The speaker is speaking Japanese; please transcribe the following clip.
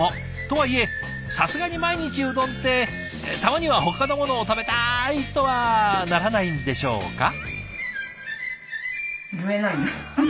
とはいえさすがに毎日うどんって「たまにはほかのものも食べたい！」とはならないんでしょうか？